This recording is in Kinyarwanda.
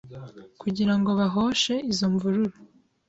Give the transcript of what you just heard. kugira ngo bahoshe izo mvururu,